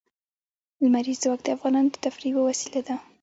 لمریز ځواک د افغانانو د تفریح یوه وسیله ده.